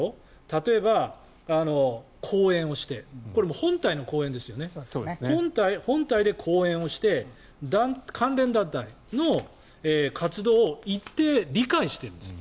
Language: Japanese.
例えば講演をしてこれ、本体の講演ですよね本体で講演をして関連団体の活動を一定理解しているんです。